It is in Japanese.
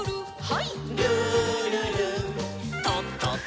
はい。